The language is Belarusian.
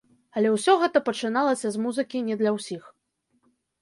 Але ўсё гэта пачыналася з музыкі не для ўсіх.